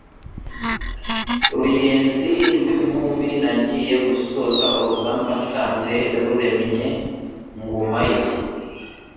Ruyenzi rw'ivumbi, nagiye gusoza urugamba nsanze ruremye ngumayo